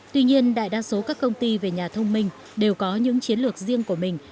tuy nhiên đại đa số các công ty về nhà thông minh đều có những chiến lược riêng của mình